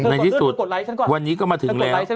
ในที่สุดวันนี้ก็มาถึงแล้ว